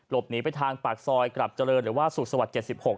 หลบหนีไปทางปากซอยกลับเจริญหรือว่าสุขศวรรษ๗๖